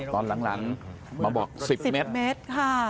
ตอนหลังมาบอก๑๐เมตรค่ะ